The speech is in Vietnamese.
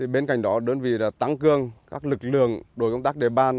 bên cạnh đó đơn vị tăng cương các lực lượng đối công tác đề ban